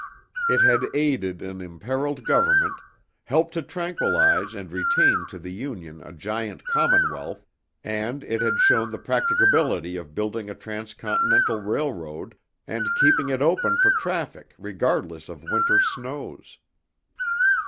It had aided an imperiled Government, helped to tranquilize and retain to the Union a giant commonwealth, and it had shown the practicability of building a transcontinental railroad, and keeping it open for traffic regardless of winter snows.